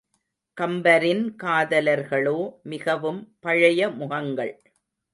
கம்பரின் காதலர்களோ மிகவும் பழைய முகங்கள்.